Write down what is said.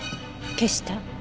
消した？